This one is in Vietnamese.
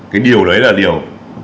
cái điều đấy là điều